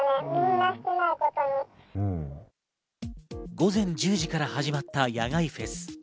午前１０時から始まった野外フェス。